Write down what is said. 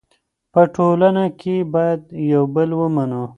په ټولنه کې باید یو بل ومنو.